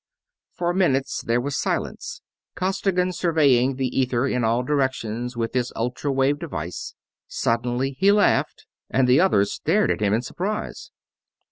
For minutes there was silence, Costigan surveying the ether in all directions with his ultra wave device. Suddenly he laughed, and the others stared at him in surprise.